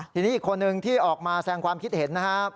ทีนี้อีกคนนึงที่ออกมาแสงความคิดเห็นนะครับ